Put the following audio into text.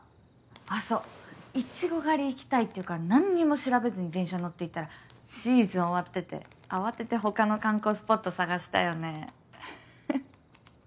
あっそうイチゴ狩り行きたいって言うから何にも調べずに電車乗って行ったらシーズン終わってて慌てて他の観光スポット探したよね。